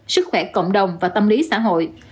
sức khỏe cộng đồng và tâm lý xã hội